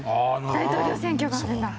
大統領選挙があるんだ。